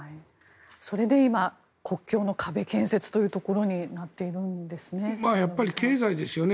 それで今国境の壁建設というところになっているんですね。